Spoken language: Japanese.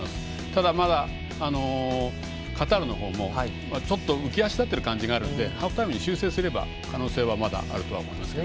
ただ、まだカタールの方も浮き足立ってる感じがあるのでハーフタイムで修正すれば可能性はまだあると思いますね。